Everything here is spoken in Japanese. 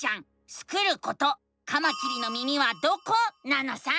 スクること「カマキリの耳はどこ？」なのさ！